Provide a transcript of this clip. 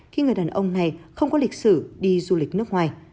nhiều người đàn ông không có lịch sử đi du lịch nước ngoài